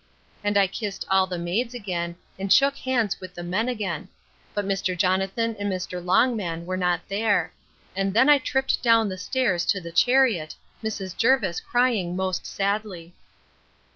And I kissed all the maids again, and shook hands with the men again: but Mr. Jonathan and Mr. Longman were not there; and then I tripped down the steps to the chariot, Mrs. Jervis crying most sadly.